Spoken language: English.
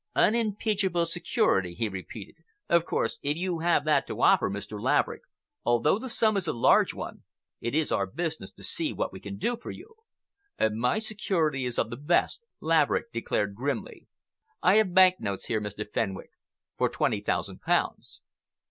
"Unimpeachable security," he repeated. "Of course, if you have that to offer, Mr. Laverick, although the sum is a large one, it is our business to see what we can do for you." "My security is of the best," Laverick declared grimly. "I have bank notes here, Mr. Fenwick, for twenty thousand pounds."